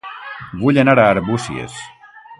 Vull anar a Arbúcies